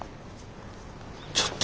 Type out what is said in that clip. ちょっと。